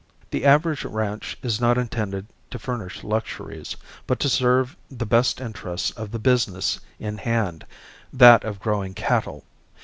The average ranch is not intended to furnish luxuries, but to serve the best interests of the business in hand, that of growing cattle.